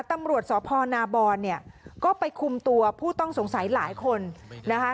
ตำรวจสพนาบอนเนี่ยก็ไปคุมตัวผู้ต้องสงสัยหลายคนนะคะ